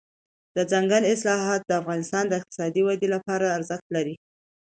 دځنګل حاصلات د افغانستان د اقتصادي ودې لپاره ارزښت لري.